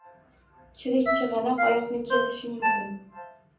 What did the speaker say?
Chirik chigʻanoq oyoqni kesishi mumkin